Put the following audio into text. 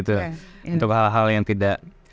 untuk hal hal yang tidak